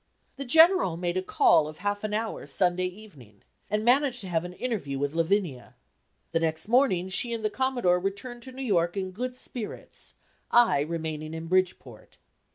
The General made a call of half an hour Sunday evening, and managed to have an interview with Lavinia. The next morning she and the Commodore returned to New York in good spirits, I remaining in Bridgeport.